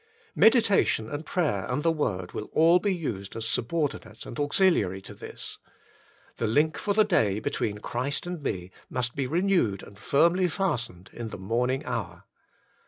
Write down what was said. Meditation and prayer and the word will all be used as subordinate and auxiliary to this : the link for the day between Christ and me must be re newed and firmly fastened in the morning hour.